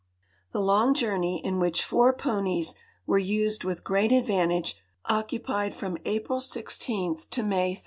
The long journey, in which four ponies were used with great advantage, occupied from Aj)ril 16 to May 13.